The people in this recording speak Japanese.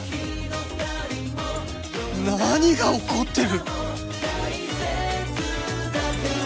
何が起こってる！？